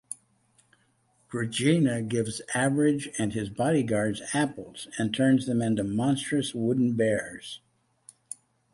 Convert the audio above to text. Regina gives Average and his bodyguards apples and turns them into monstrous wooden bears.